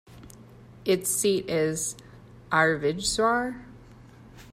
Its seat is Arvidsjaur.